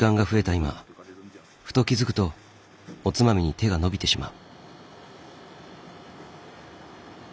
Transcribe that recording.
今ふと気付くとおつまみに手が伸びてしまう。